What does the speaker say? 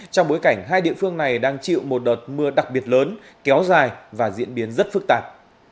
trong bối cảnh hai địa phương này đang chịu một đợt mưa đặc biệt lớn kéo dài và diễn biến rất phức tạp